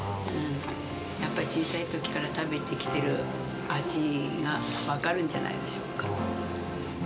やっぱり小さいときから食べてきてる味が、分かるんじゃないでし